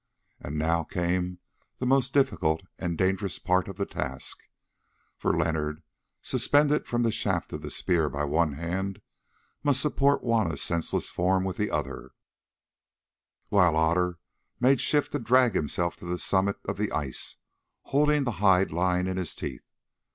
And now came the most difficult and dangerous part of the task, for Leonard, suspended from the shaft of the spear by one hand, must support Juanna's senseless form with the other, while Otter made shift to drag himself to the summit of the ice, holding the hide line in his teeth.